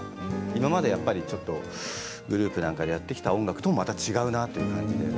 今まで、やっぱりグループなんかでやってきた音楽とちょっと違うなという感じで。